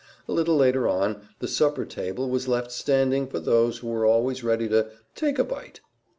A little later on, the supper table was left standing for those who were always ready to "take a bite."